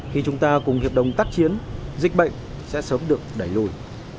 khi chúng ta cùng hiệp đồng tác chiến dịch bệnh sẽ sớm được đẩy lùi